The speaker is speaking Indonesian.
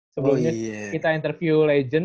sebelumnya kita interview legend